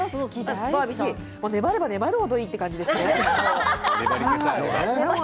粘れば粘るほどいいといった感じですね。